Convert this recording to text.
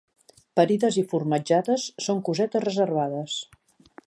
Parides i formatjades són cosetes reservades.